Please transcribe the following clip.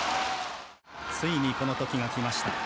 ついに、この時がきました。